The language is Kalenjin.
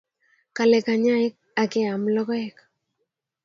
Kale kanyaik okeyam lokoek